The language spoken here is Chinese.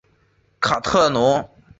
卡特农。